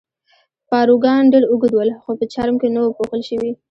پاروګان ډېر اوږد ول، خو په چرم کې نه وو پوښل شوي.